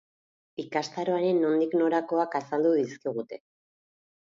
Ikastaroaren nondik norakoak azaldu dizkigute.